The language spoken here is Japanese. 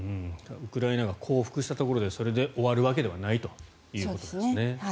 ウクライナが降伏したところでそれで終わるわけではないということですね。